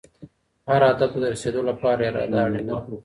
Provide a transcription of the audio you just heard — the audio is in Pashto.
هر هدف ته د رسېدو لپاره اراده اړینه ده.